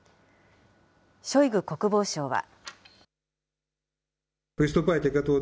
ショイグ国防相は。